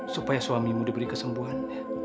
supaya suamimu diberi kesembuhan